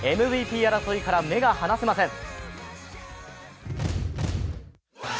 ＭＶＰ争いから目が離せません。